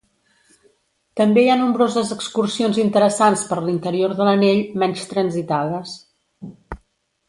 També hi ha nombroses excursions interessants per l'interior de l'anell, menys transitades.